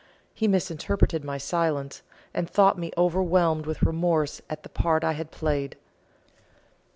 He misinterpreted my silence, and thought me overwhelmed with remorse at the part I had played.